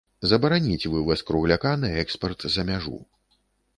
Забараніць вываз кругляка на экспарт за мяжу.